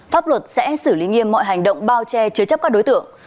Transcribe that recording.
pháp luật sẽ xử lý nghiêm mọi hành động bao che chứa chấp các đối tượng